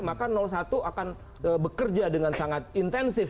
maka satu akan bekerja dengan sangat intensif